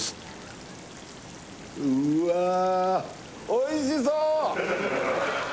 おいしそう！